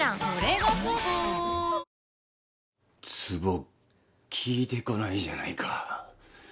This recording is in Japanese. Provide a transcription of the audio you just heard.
つぼ効いてこないじゃないか。